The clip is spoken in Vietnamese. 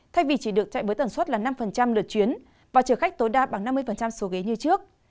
thay vì chỉ được chạy với tần suất là năm lượt chuyến và chở khách tối đa bằng năm mươi số ghế như trước